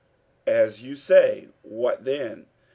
"As you say, what then?"